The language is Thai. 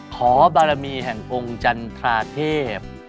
ขอบารมีแห่งองค์จันทราเทพ